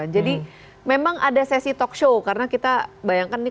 jadi memang ada sesi talk show karena kita bayangkan nih